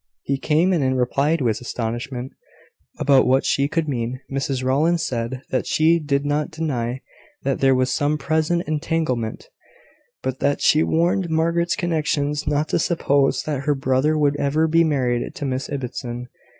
He came; and in reply to his astonishment about what she could mean, Mrs Rowland said that she did not deny that there was some present entanglement; but that she warned Margaret's connections not to suppose that her brother would ever be married to Miss Ibbotson.